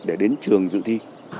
để đến trường dự thi